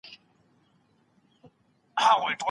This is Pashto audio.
انټرنېټ د مختلفو کلتورونو پوهاوی نږدې کوي او پوهه زياتوي.